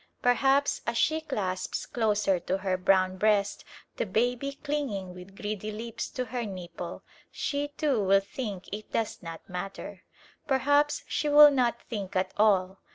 Perhaps, as she clasps closer to her brown breast the baby clinging with greedy lips to her nipple, she, too, will think it does not matter: perhaps she will not think at all.